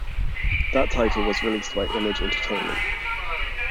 That title was released by Image Entertainment.